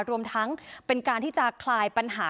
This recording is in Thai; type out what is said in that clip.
รวมทั้งเป็นการที่จะคลายปัญหา